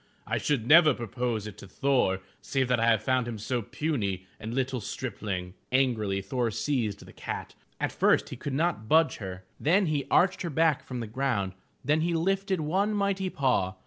I should never propose it to Thor save that I have found him so puny a little stripling." Angrily, Thor seized the cat. At first he could not budge her. Then he arched her back from the ground, then he lifted one mighty paw.